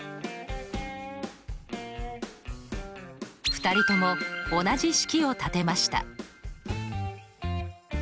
２人とも同じ式を立てました。